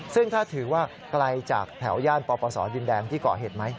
ซึ่งถ้าถือว่าไกลจากแถวย่านปปศดินแดงที่ก่อเหตุไหม